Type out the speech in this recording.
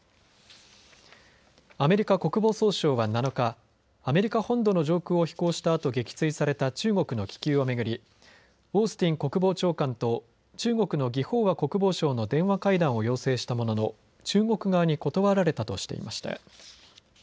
アメリカ国防総省は７日アメリカ本土の上空を飛行したあと撃墜された中国の気球を巡りオースティン国防長官と中国の魏鳳和国防相の電話会談を要請したものの中国側に断られたとしていました。